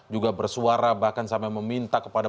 juga bersuara bahkan sampai meminta kepada